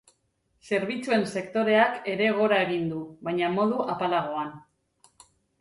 Zerbitzuen sektoreak ere gora egin du, baina modu apalagoan.